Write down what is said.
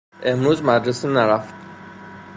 امروز مدرسه نرفت